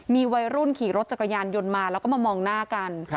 มีวัยรุ่นขี่รถจักรยานยนต์มาแล้วก็มามองหน้ากัน